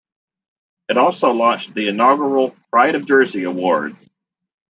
It also launched the inaugural Pride of Jersey awards.